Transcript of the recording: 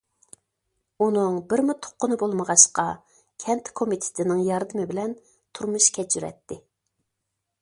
ئۇنىڭ بىرمۇ تۇغقىنى بولمىغاچقا كەنت كومىتېتىنىڭ ياردىمى بىلەن تۇرمۇش كەچۈرەتتى.